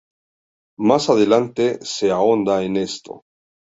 Más adelante se ahonda en esto.